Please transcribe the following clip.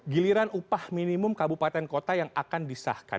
giliran upah minimum kabupaten kota yang akan disahkan